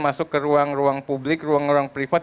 masuk ke ruang ruang publik ruang ruang privat